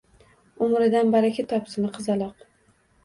Umridan baraka topsin, qizaloq